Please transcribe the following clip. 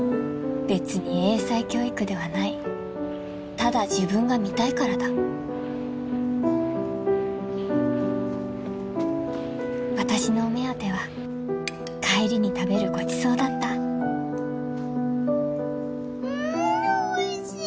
別に英才教育ではないただ自分が見たいからだ私のお目当ては帰りに食べるごちそうだったうんおいしい！